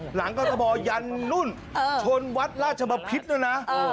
หลังกฎมอลยันนุ่นชนวัดราชบพิษนะ